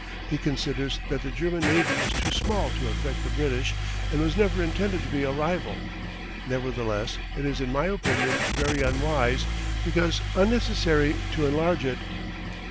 He considers that the German navy is too small to affect the British and was never intended to be a rival. Nevertheless, it is in my opinion very unwise, because unnecessary, to enlarge it.